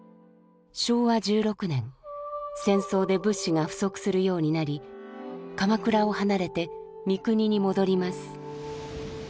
昭和１６年戦争で物資が不足するようになり鎌倉を離れて三国に戻ります。